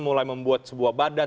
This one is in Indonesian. mulai membuat sebuah badan